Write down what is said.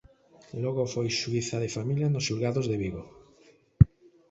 Logo foi xuíza de Familia dos xulgados de Vigo.